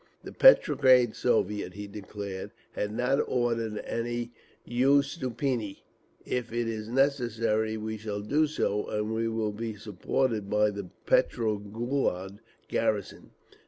The Petrograd Soviet," he declared, "had not ordered any uystuplennie. If it is necessary we shall do so, and we will be supported by the Petrogruad garrison….